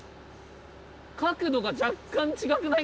角度が若干違くない？